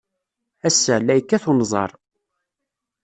Ass-a, la yekkat unẓar.